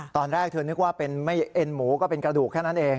ตอนแรกเธอนึกว่าเป็นเอ็นหมูก็เป็นกระดูกแค่นั้นเอง